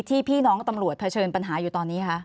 พี่น้องตำรวจเผชิญปัญหาอยู่ตอนนี้คะ